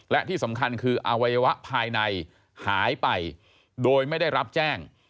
และที่สำคัญคืออวัยวะภายในหายไปโดยไม่ได้รับแจ้ง